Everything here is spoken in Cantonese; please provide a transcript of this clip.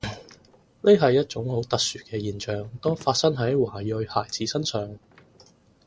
呢係一種很特殊嘅現象，多發生喺華裔孩子身上